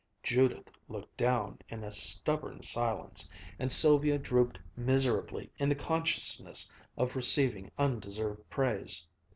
Judith looked down in a stubborn silence, and Sylvia drooped miserably in the consciousness of receiving undeserved praise.